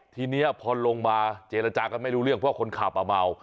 ทีนี้พอลงมาเจรจากันไม่รู้เรื่องเพราะคนขับอ่ะเมา